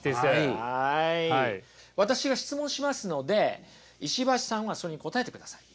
私が質問しますので石橋さんはそれに答えてください。